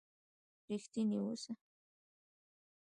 رښتينی اوسه